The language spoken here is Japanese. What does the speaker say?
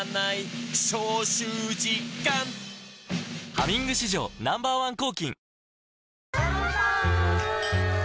「ハミング」史上Ｎｏ．１抗菌かんぱーい！